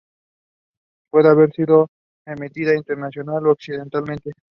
Puede haber sido emitida intencional o accidentalmente.